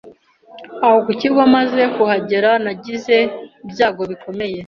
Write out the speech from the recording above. Aho ku kigo maze kuhagera nagizei byago bikomeye